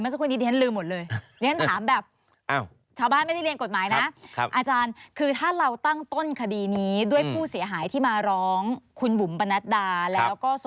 เมื่อสักครู่นี้นี่ฉันลืมหมดเลย